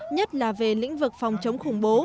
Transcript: nhất là về lĩnh vực phòng chống khủng bố